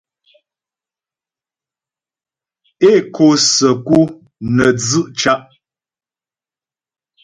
É kǒ səku nə́ dzʉ' ca'.